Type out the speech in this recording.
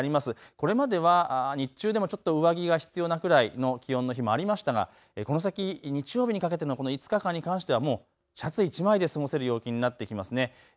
これまでは日中でもちょっと上着が必要なくらいの気温の日もありましたがこの先、日曜日にかけてのこの５日間に関してはもうシャツ１枚で過ごせる陽気になってきますね。